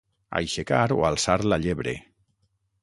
Aixecar o alçar la llebre.